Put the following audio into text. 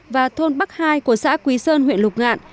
và thôn bắc hai của xã quý sơn huyện lục ngạn